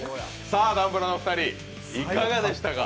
ダンブラのお二人、いかがでしたか？